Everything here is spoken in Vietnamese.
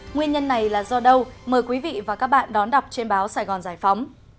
nguyên nhân này là do đâu mời quý vị và các bạn đón đọc trên báo sài gòn giải phóng